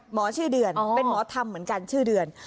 ชื่อเดือนเป็นหมอธรรมเหมือนกันชื่อเดือน